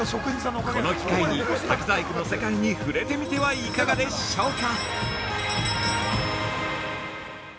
この機会に竹細工の世界に触れてみてはいかがでしょうか。